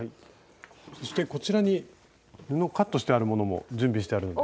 そしてこちらに布をカットしてあるものも準備してあるので。